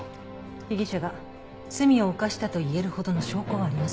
被疑者が罪を犯したと言えるほどの証拠はありません。